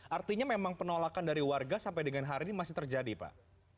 artinya memang penolakan dari warga sampai dengan hari ini masih terjadi pak